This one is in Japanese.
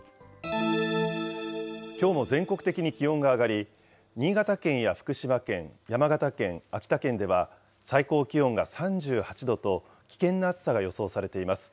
きょうも全国的に気温が上がり、新潟県や福島県、山形県、秋田県では、最高気温が３８度と、危険な暑さが予想されています。